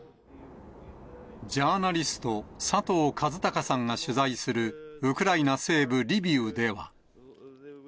ジャーナリスト、佐藤和孝さんが取材するウクライナ西部、リビウでは。